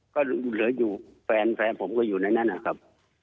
ก็เหลืออยู่แฟนแฟนผมก็อยู่ในนั้นนะครับ